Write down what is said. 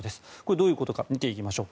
どういうことか見ていきましょう。